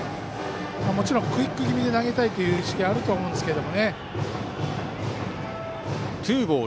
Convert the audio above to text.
もちろんクイック気味で投げたいという意識はあると思いますけど。